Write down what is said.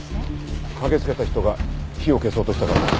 駆けつけた人が火を消そうとしたからだ。